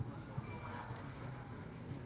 ตอนต่อไป